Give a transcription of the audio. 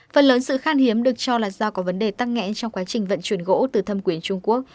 phần lớn sự khan hiếm được cho là do có vấn đề tăng nghẽn trong quá trình vận chuyển gỗ từ thâm quyền trung quốc